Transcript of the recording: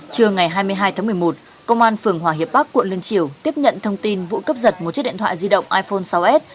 trưa ngày hai mươi hai tháng một mươi một công an phường hòa hiệp bắc quận liên triều tiếp nhận thông tin vụ cấp giật một chiếc điện thoại di động iphone sáu s